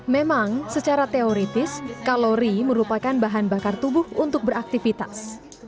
memang secara teoritis kalori merupakan bahan bakar tubuh untuk beraktivitas